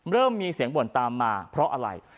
เริ่มมีเสียงบ่นตามมาเพราะอะไร